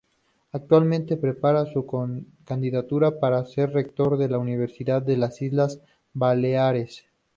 Actualmente prepara su candidatura para ser rector de la Universidad de las Islas Baleares.